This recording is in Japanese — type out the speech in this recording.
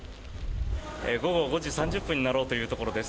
午後５時３０分になろうというところです。